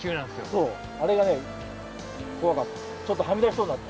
そうあれがね怖かった。